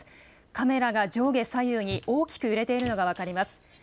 カメラが上下左右に大きく揺れているのが分かります。